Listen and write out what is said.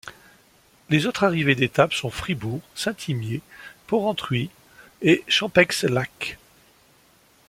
Les autres arrivées d'étape sont Fribourg, Saint-Imier, Porrentruy et Champex-Lac.